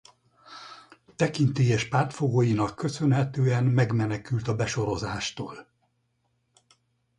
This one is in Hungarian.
Tekintélyes pártfogóinak köszönhetően megmenekült a besorozástól.